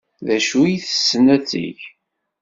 D acu ay tessen ad t-teg?